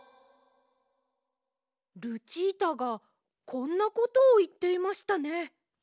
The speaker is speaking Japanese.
ルチータがこんなことをいっていましたね。